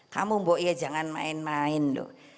kamu mbok ya jangan main main lho